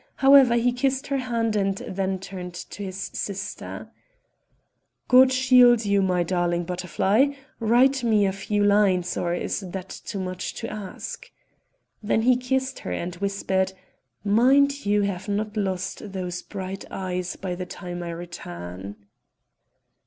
However, he kissed her hand and then turned to his sister: "God shield you, my darling butterfly write me a few lines, or is that too much to ask?" Then he kissed her and whispered: "Mind you have not lost those bright eyes by the time I return."